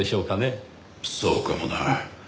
そうかもな。